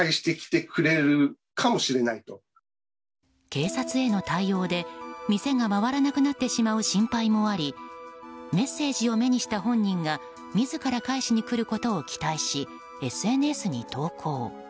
警察への対応で店が回らなくなってしまう心配もありメッセージを目にした本人が自ら返しに来ることを期待しＳＮＳに投稿。